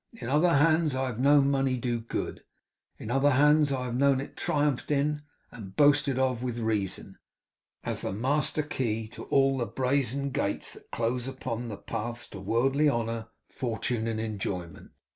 In other hands, I have known money do good; in other hands I have known it triumphed in, and boasted of with reason, as the master key to all the brazen gates that close upon the paths to worldly honour, fortune, and enjoyment.